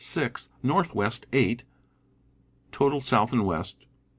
658 Northwest 8 94% Total south and west.